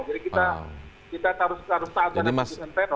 jadi kita kita harus saat saatnya keputusan di pleno